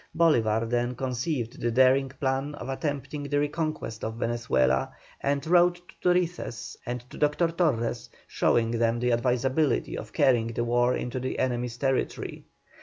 Bolívar then conceived the daring plan of attempting the reconquest of Venezuela, and wrote to Torices and to Dr. Torres, showing them the advisability of carrying the war into the enemy's territory.